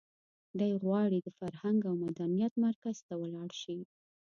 دی غواړي د فرهنګ او مدنیت مرکز ته ولاړ شي.